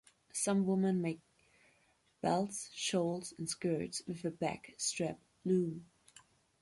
Some women make belts, shawls, and skirts with a back strap loom.